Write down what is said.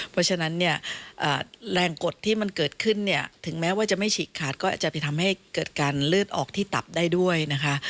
เพราะฉะนั้นเนี่ยแรงกดที่มันเกิดขึ้นเนี่ยถึงแม้ว่าจะไม่ฉีกขาดก็จะไปทำให้เกิดการเลือดออกที่ตับได้ด้วยนะคะ